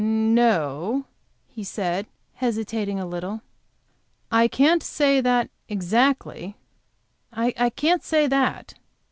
"No," he said, hesitating a little, "I can't say that, exactly I can't say that."